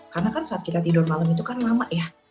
karena kan saat kita tidur malam itu kan lama ya